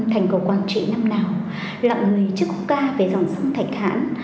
hành cầu quang trị năm nào lặng người trước khúc ca về dòng sân thạch hãn